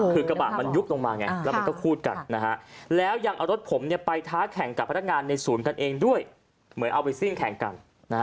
คือกระบะมันยุบลงมาไงแล้วมันก็คูดกันนะฮะแล้วยังเอารถผมไปท้าแข่งกับพนักงานในศูนย์กันเองด้วยเหมือนเอาไปซิ่งแข่งกัน